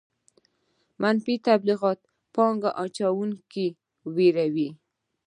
منفي تبلیغات پانګه اچوونکي ویروي.